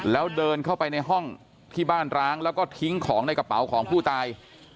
แล้วเดินเข้าไปในห้องที่บ้านร้างแล้วก็ทิ้งของในกระเป๋าของผู้ตาย